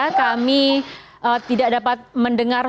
karena kami tidak dapat mendengar